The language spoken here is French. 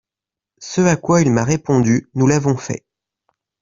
Ce à quoi il m’a répondu, nous l’avons fait.